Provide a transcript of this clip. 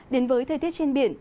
đến với thời tiết trên biển